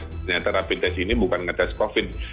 ternyata rapi tes ini bukan ngetes covid